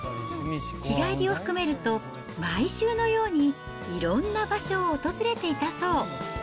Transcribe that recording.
日帰りを含めると、毎週のようにいろんな場所を訪れていたそう。